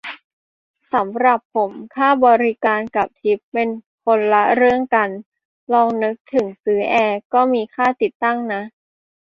สำหรับผม ค่าบริการ กับ ทิป เป็นคนละเรื่องกันนะ ลองนึกถึงซื้อแอร์ ก็มีค่าติดตั้งนะ